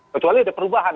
kecuali ada perubahan